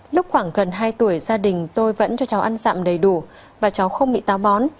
lúc khoảng gần hai tuổi gia đình tôi vẫn cho cháu ăn dặm đầy đủ và cháu không bị táo bón